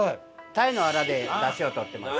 鯛のアラで出汁をとってます。